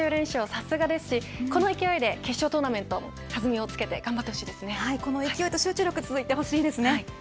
さすがですしこの勢いで決勝トーナメント弾みをつけてこの勢いと集中力続いてほしいですね。